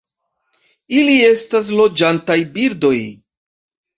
Ili estas loĝantaj birdoj.